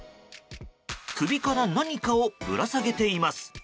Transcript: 首から何かをぶら下げています。